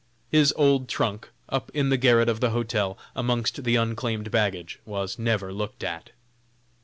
His old trunk, up in the garret of the hotel, amongst the unclaimed baggage, was never looked at.